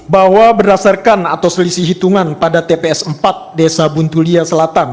bahwa berdasarkan atau selisih hitungan pada tps empat desa buntulia selatan